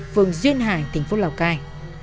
phường duyên hải tỉnh phúc lào cai